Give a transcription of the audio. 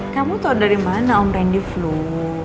kamu tau dari mana om randy peluh